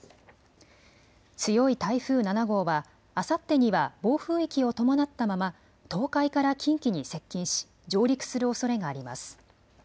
強い台風７号はあさってには暴風域を伴ったまま東海から近畿に接近し上陸するおそれがあります。